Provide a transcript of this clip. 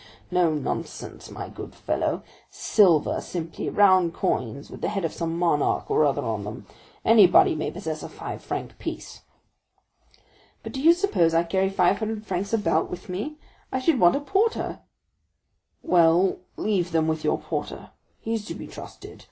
No nonsense, my good fellow; silver simply, round coins with the head of some monarch or other on them. Anybody may possess a five franc piece." "But do you suppose I carry five hundred francs about with me? I should want a porter." "Well, leave them with your porter; he is to be trusted.